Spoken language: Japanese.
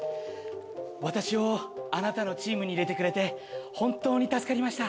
私をあなたのチームに入れてくれて本当に助かりました。